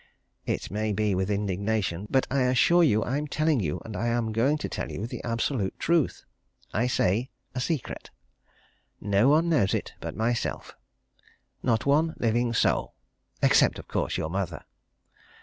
it may be with indignation, but I assure you I'm telling you, and am going to tell you, the absolute truth. I say a secret! No one knows it but myself not one living soul! Except, of course, your mother.